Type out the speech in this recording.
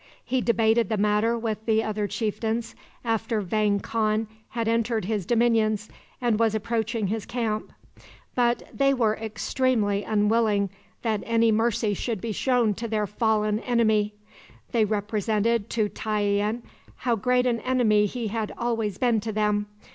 He debated the matter with the other chieftains after Vang Khan had entered his dominions and was approaching his camp; but they were extremely unwilling that any mercy should be shown to their fallen enemy. They represented to Tayian how great an enemy he had always been to them.